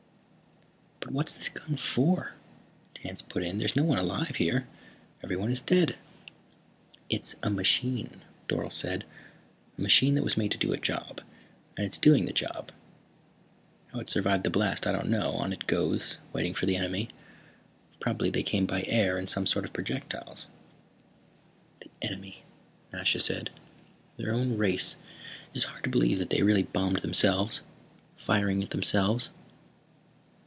"But what's this gun for?" Tance put in. "There's no one alive here. Everyone is dead." "It's a machine," Dorle said. "A machine that was made to do a job. And it's doing the job. How it survived the blast I don't know. On it goes, waiting for the enemy. Probably they came by air in some sort of projectiles." "The enemy," Nasha said. "Their own race. It is hard to believe that they really bombed themselves, fired at themselves."